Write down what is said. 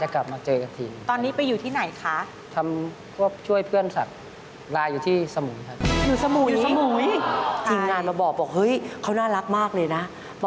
ก็ผูกเสี่ยอกันแล้ว